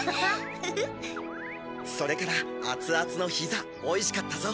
それから熱々のヒザおいしかったぞ。